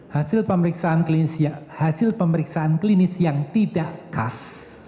hasil pemeriksaan klinis yang tidak khas